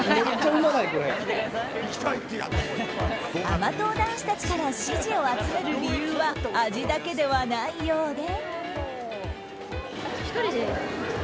甘党男子たちから支持を集める理由は味だけではないようで。